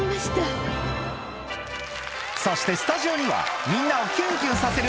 そしてスタジオにはみんなをキュンキュンさせる